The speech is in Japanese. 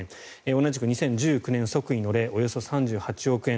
同じく２０１９年即位の礼、およそ３８億円。